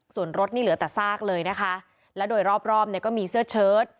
ส่วนรถนี่เหลือแต่ซากเลยนะคะและโดยรอบรอบเนี่ยก็มีเสื้อเชิด